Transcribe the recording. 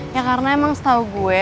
ya karena emang setahu gue